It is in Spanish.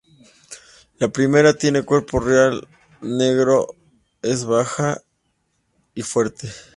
La primera tiene cuerpo real negro, es bajista y fuerte.